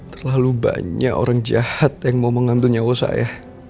terlalu banyak orang jahat yang mau mengambil nyawa saya